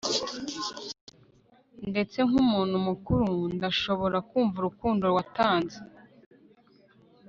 ndetse nkumuntu mukuru ndashobora kumva urukundo watanze